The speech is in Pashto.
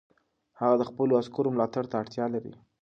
هغه د خپلو عسکرو ملاتړ ته اړتیا لري.